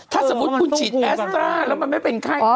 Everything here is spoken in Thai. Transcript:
ถ้าสมมติพูดฉีดแอสตร้าแล้วมันไม่เป็นใคร